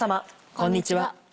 こんにちは。